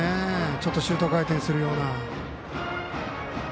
ちょっとシュート回転するような。